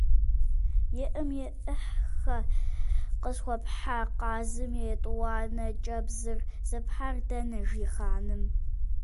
- ЕӀым-еӀыххэ, къысхуэпхьа къазым и етӀуанэ кӀэбдзыр здэпхьар дэнэ? – жи хъаным.